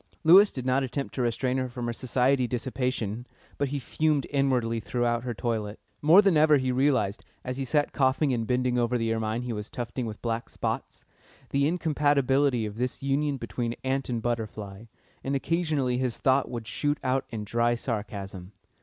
Lewis did not attempt to restrain her from her society dissipation, but he fumed inwardly throughout her toilette. More than ever he realised, as he sat coughing and bending over the ermine he was tufting with black spots, the incompatibility of this union between ant and butterfly, and occasionally his thought would shoot out in dry sarcasm.